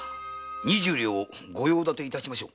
二十両御用立て致しましょう。